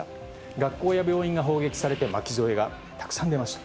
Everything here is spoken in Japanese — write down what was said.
学校や病院が砲撃されて巻き添えがたくさん出ました。